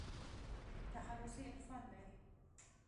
تخلص يې عرفان دى.